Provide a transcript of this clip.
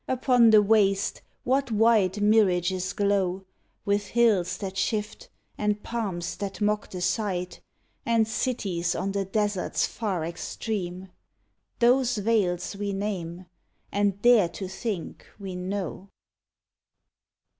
Upon the waste what wide mirages glow, With hills that shift, and palms that mock the sight, And cities on the desert's far extreme — Those veils we name, and dare to think we know!